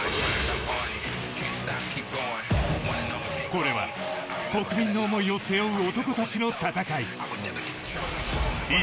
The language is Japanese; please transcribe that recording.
これは国民の思いを背負う男たちの戦うい。